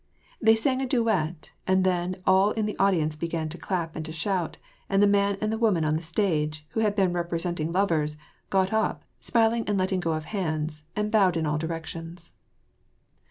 They sang a duet, and then all in the audience began to clap and to shout, and the man and woman on the stage, who had been representing lovers, got up, smiling and letting go of hands, and bowed in all directions.